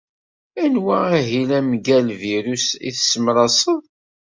Anwa ahil amgal-virus i tessemraseḍ?